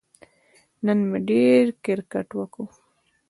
نن مې ډېر کیرکټ وکه